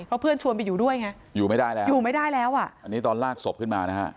เพราะเพื่อนชวนไปอยู่ด้วยไงอยู่ไม่ได้แล้วอันนี้ต้อนลากศพขึ้นมานะฮะ